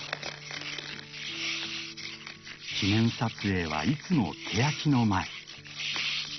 記念撮影はいつもケヤキの前。